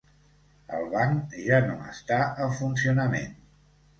El banc ja no està en funcionament.